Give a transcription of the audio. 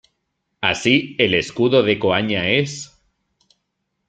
Así el escudo de Coaña es.